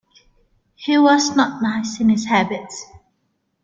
He was not nice in his habits.